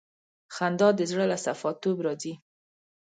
خندا د زړه له صفا توب راځي.